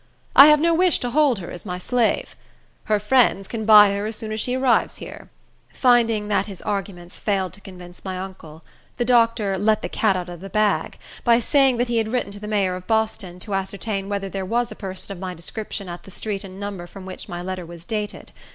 I have no wish to hold her as my slave. Her friends can buy her as soon as she arrives here." Finding that his arguments failed to convince my uncle, the doctor "let the cat out of the bag," by saying that he had written to the mayor of Boston, to ascertain whether there was a person of my description at the street and number from which my letter was dated.